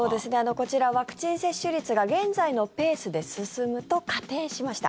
こちら、ワクチン接種率が現在のペースで進むと仮定しました。